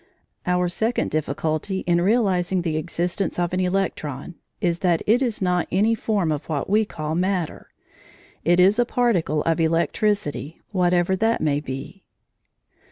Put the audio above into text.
Our second difficulty in realising the existence of an electron is that it is not any form of what we call matter; it is a particle of electricity, whatever that may be.